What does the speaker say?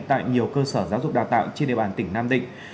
tại nhiều cơ sở giáo dục đào tạo trên địa bàn tỉnh nam định